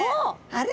あれ？